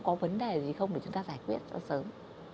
có vấn đề gì không để chúng ta giải quyết cho sớm